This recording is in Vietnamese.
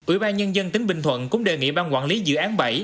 ubnd tỉnh bình thuận cũng đề nghị bang quản lý dự án bảy